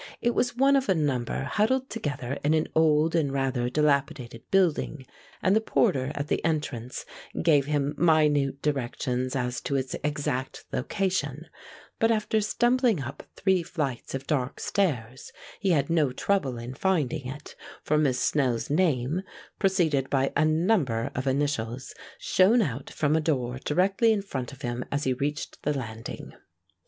It was one of a number huddled together in an old and rather dilapidated building, and the porter at the entrance gave him minute directions as to its exact location, but after stumbling up three flights of dark stairs he had no trouble in finding it, for Miss Snell's name, preceded by a number of initials, shone out from a door directly in front of him as he reached the landing.